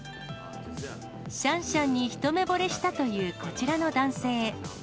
シャンシャンに一目ぼれしたというこちらの男性。